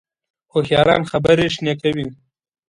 هوښیاران خبرې شنې کوي